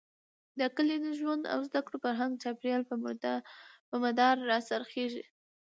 د کلي د ژوند او زده کړو، فرهنګ ،چاپېريال، په مدار را څرخېږي.